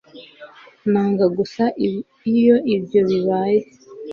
nanga gusa iyo ibyo bibaye